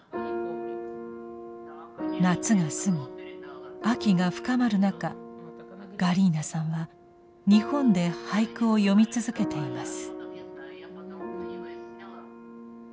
夏が過ぎ秋が深まる中ガリーナさんは日本で俳句を詠み続けています。